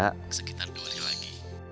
sekitar dua hari lagi